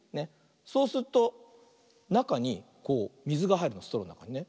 そうするとなかにこうみずがはいるのストローのなかにね。